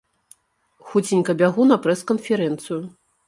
Хуценька бягу на прэс-канферэнцыю.